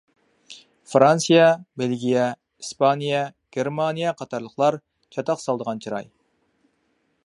فىرانسىيە، بېلگىيە، ئىسپانىيە، گېرمانىيە قاتارلىقلار چاتاق سالىدىغان چىراي.